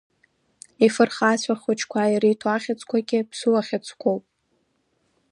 Ифырхацәа хәыҷқәа ириҭо ахьӡқәагьы ԥсуахьӡқәоуп…